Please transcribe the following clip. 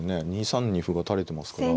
２三に歩が垂れてますから。